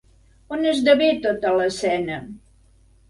On esdevé tota l'escena?